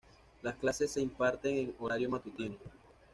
Las clases se imparten en horario matutino.